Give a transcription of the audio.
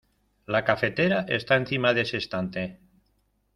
La cafetera está encima de ese estante.